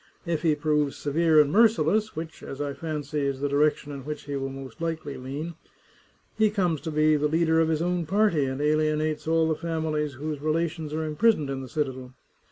If he proves severe and merciless, which, as I fancy, is the direction in which he will most likely lean, he ceases to be the leader of his own party, and alienates all the families whose relations are imprisoned in the citadel.